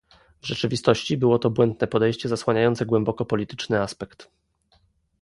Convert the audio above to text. W rzeczywistości, było to błędne podejście zasłaniające głęboko polityczny aspekt